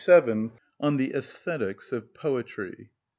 (21) On The Æsthetics Of Poetry.